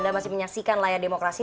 anda masih menyaksikan layar demokrasi